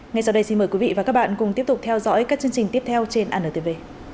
ngay sau đây xin mời quý vị và các bạn cùng tiếp tục theo dõi các chương trình tiếp theo trên antv